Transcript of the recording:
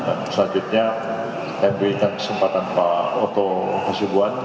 dan selanjutnya kami berikan kesempatan pak oto hasubuan